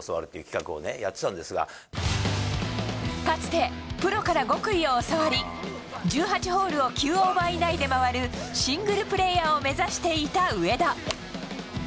かつてプロから極意を教わり１８ホールを９オーバー以内で回るシングルプレーヤーを目指していた上田。